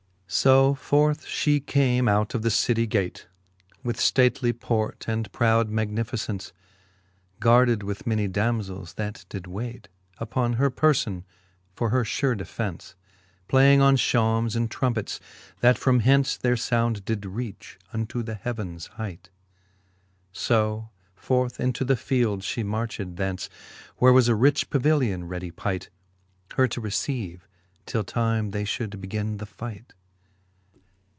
So forth fhe came out of the citty gate, With ftately port and proud magnificence*. Guarded with many damzels, that did waite Upon her perlbn for her fure defence, Playing on fhaumes and trumpets, that from henc^ Their found did reach unto the heavens hight. So forth into the field fhe marched thence, Where was a rich pavilion ready pight. Her to receive, till time they fhould begin the fight.